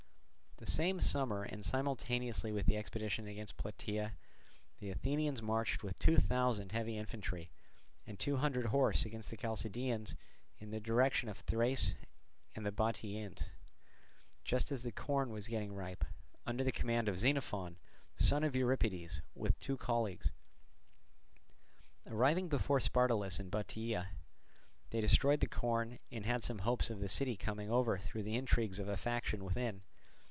The same summer and simultaneously with the expedition against Plataea, the Athenians marched with two thousand heavy infantry and two hundred horse against the Chalcidians in the direction of Thrace and the Bottiaeans, just as the corn was getting ripe, under the command of Xenophon, son of Euripides, with two colleagues. Arriving before Spartolus in Bottiaea, they destroyed the corn and had some hopes of the city coming over through the intrigues of a faction within.